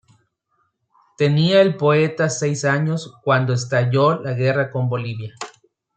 Tenía el poeta seis años cuando estalló la guerra con Bolivia.